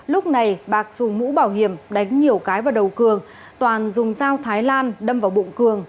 lúc này bạc dùng mũ bảo hiểm đánh nhiều cái vào đầu cường toàn dùng dao thái lan đâm vào bụng cường